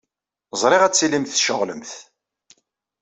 Ẓriɣ ad tilimt tceɣlemt.